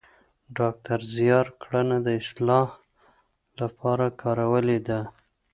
ډاکتر زیار ګړنه د اصطلاح لپاره کارولې ده